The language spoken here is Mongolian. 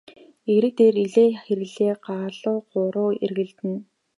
Эрэг дээр элээ хэрээ галуу гурав эргэлдэнэ.